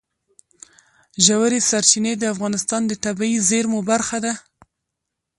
ژورې سرچینې د افغانستان د طبیعي زیرمو برخه ده.